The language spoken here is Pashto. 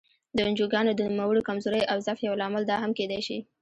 د انجوګانو د نوموړې کمزورۍ او ضعف یو لامل دا هم کېدای شي.